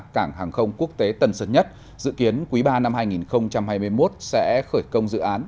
cảng hàng không quốc tế tân sơn nhất dự kiến quý ba năm hai nghìn hai mươi một sẽ khởi công dự án